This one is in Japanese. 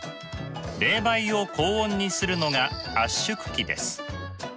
冷媒を高温にするのが圧縮機です。